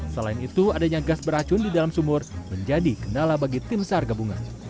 selain itu adanya gas beracun di dalam sumur menjadi kendala bagi tim sar gabungan